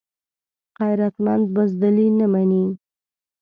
غیرتمند بزدلي نه مني